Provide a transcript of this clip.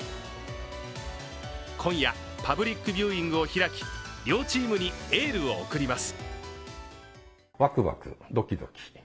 今夜、パブリックビューイングを開き両チームにエールを贈ります。